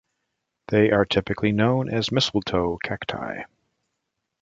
They are typically known as mistletoe cacti.